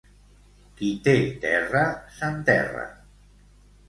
Qui té terra s'enterra.